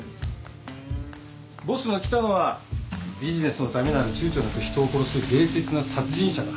ボスの喜多野はビジネスのためならちゅうちょなく人を殺す冷徹な殺人者だ。